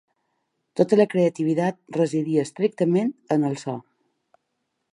Tota la creativitat residia estrictament en el so.